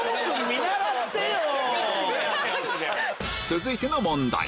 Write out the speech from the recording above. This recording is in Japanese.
続いての問題